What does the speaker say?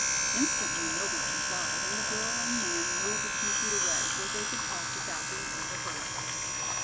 Instantly Mildred complied, and the girl and man moved a few feet away, where they could talk without being overheard.